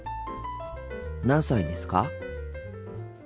何歳ですか？